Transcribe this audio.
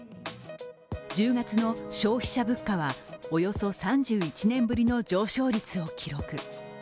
１０月の消費者物価はおよそ３１年ぶりの上昇率を記録。